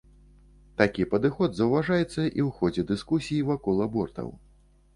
Такі падыход заўважаецца і ў ходзе дыскусій вакол абортаў.